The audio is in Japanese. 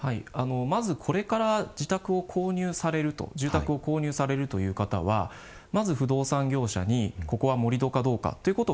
まずこれから自宅を住宅を購入されるという方はまず不動産業者にここは盛土かどうかということを聞くこと。